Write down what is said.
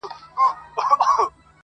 د خپل ناموس له داستانونو سره لوبي کوي-